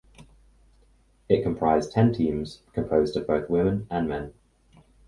It comprised ten teams composed of both women and men.